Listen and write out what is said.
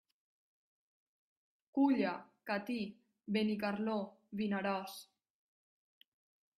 Culla, Catí, Benicarló, Vinaròs.